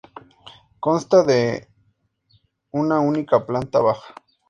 Consta de una única planta baja.